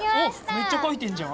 めっちゃかいてんじゃん！